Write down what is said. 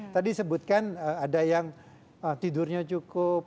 tadi sebutkan ada yang tidurnya cukup